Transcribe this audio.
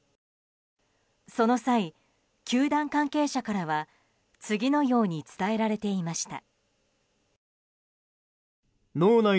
その際、球団関係者からは次のように伝えられていました。